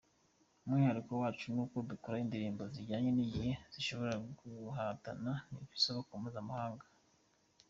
Umwihariko wacu nuko dukora indirimbo zijyanye n’igihe zishobora guhatana ku isoko mpuzamahanga.